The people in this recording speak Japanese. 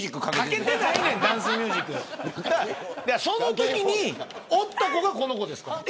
そのときにおった子がこの子ですから。